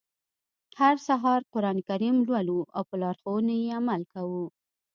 هر سهار قرآن کریم لولو او په لارښوونو يې عمل کوو.